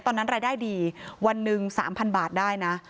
รายได้ดีวันหนึ่ง๓๐๐บาทได้นะ